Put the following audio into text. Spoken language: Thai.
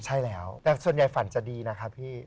ใช่แล้วแต่ส่วนใหญ่ฝันจะดีนะครับพี่